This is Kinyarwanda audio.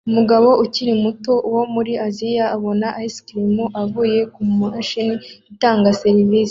Umugore ukiri muto wo muri Aziya abona ice cream avuye kumashini itanga serivisi